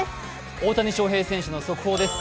大谷翔平選手の速報です。